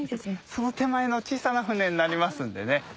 その手前の小さな舟になりますんでね。